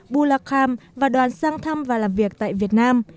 bu la kham và đoàn sang thăm và làm việc tại việt nam